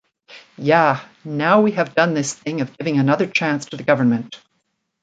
Ya! Now we have done this thing of giving another chance to the government.